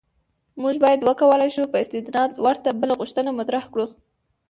موږ باید وکولای شو په استناد ورته بله غوښتنه مطرح کړو.